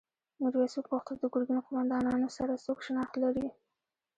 میرويس وپوښتل د ګرګین قوماندانانو سره څوک شناخت لري؟